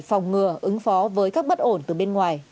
phòng ngừa ứng phó với các bất ổn từ bên ngoài